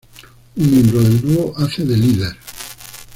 Un miembro del dúo hace de líder.